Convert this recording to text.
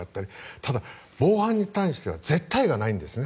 ただ、防犯に対しては絶対がないんですね。